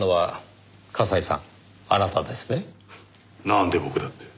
なんで僕だって？